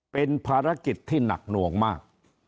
เป็นภารกิจที่หนักหน่วงมาก